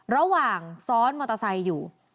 ระหว่างซ้อนมอเตอร์ไซค์อยู่